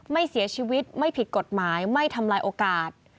ไม่เสียชีวิตไม่ผิดกฎหมายไม่ทำลายโอกาส